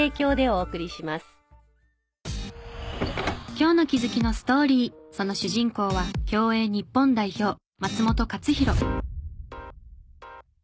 今日の気づきのストーリーその主人公は競泳日本代表松元克央。